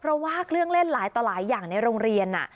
เพราะว่าเครื่องเล่นหลายต่อหลายอย่างในโรงเรียน